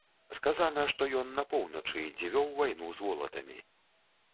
Сказана, што ён на поўначы, дзе вёў вайну з волатамі.